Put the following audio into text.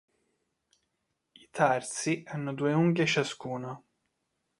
I tarsi hanno due unghie ciascuno.